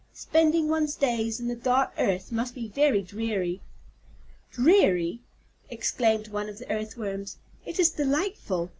Spending one's days in the dark earth must be very dreary." "Dreary!" exclaimed one of the Earthworms, "it is delightful.